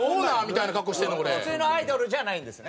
普通のアイドルじゃないんですね。